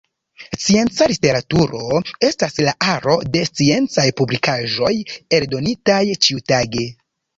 Scienca literaturo estas la aro de sciencaj publikaĵoj eldonitaj ĉiutage.